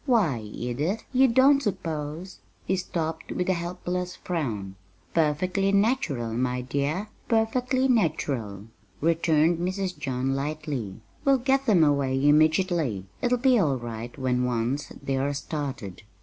"Why, Edith, you don't suppose " He stopped with a helpless frown. "Perfectly natural, my dear, perfectly natural," returned Mrs. John lightly. "We'll get them away immediately. It'll be all right when once they are started."